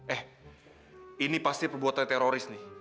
eh ini pasti perbuatan teroris nih